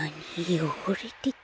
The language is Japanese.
よごれてた？